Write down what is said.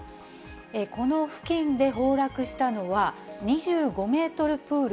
この付近で崩落したのは、２５メートルプール